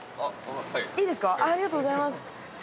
ありがとうございます。